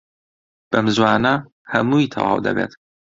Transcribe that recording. بەم زووانە هەمووی تەواو دەبێت.